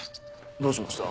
どうしました？